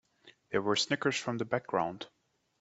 There were snickers from the background.